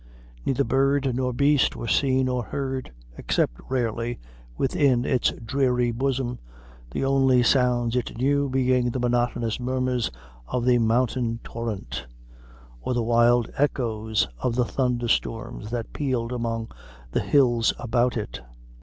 Neither bird or beast was seen or heard, except rarely, within its dreary bosom, the only sounds it knew being the monotonous murmurs of the mountain torrent, or the wild echoes of the thunder storms that pealed among the hills about it.